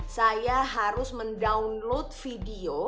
saya harus mendownload video